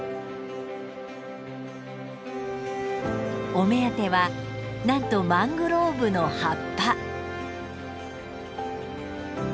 お目当てはなんとマングローブの葉っぱ。